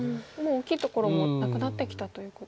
大きいところもなくなってきたということ。